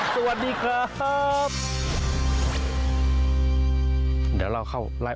สวัสดีครับครับ